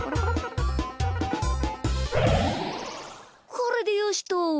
これでよしっと。